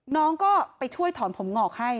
น้องก็ไปช่วยถอนผมงอกให้